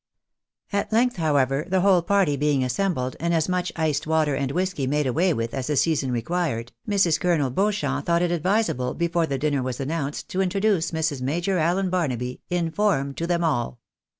At length, however, the whole party being assembled, and as much iced water and whisky made away with as the season re quired, Mrs. Colonel Beauchamp thought it advisable, before the dinner was announced, to introduce "Mrs. Major Allen Barnaby" in form, to them all.